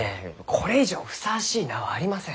これ以上ふさわしい名はありません。